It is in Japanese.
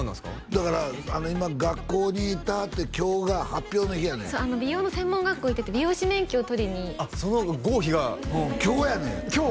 だから今学校に行ってはって今日が発表の日やねん美容の専門学校行ってて美容師免許を取りにあっその合否がうん今日やねん今日？